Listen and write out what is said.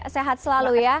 sehat selalu ya